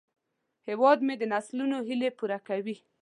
هیواد مې د نسلونو هیلې پوره کوي